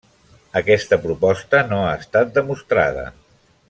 Aquesta proposta no ha estat demostrada.